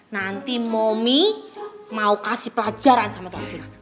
nanti momi mau kasih pelajaran sama tuh arjuna